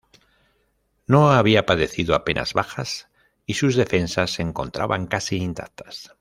No había padecido apenas bajas y sus defensas se encontraban casi intactas.